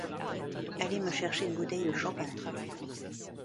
Allez me chercher une bouteille de champagne.